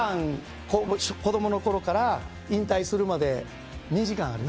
子供のころから引退するまで２時間あります。